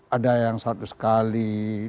ada yang satu sekali